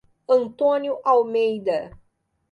Antônio Almeida